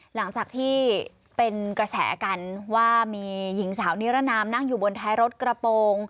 หลังจากที่เป็นกระแสกันว่ามีหญิงสาวนิรนามนั่งอยู่บนท้ายรถกระโปรง